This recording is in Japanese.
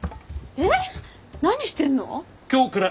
えっ？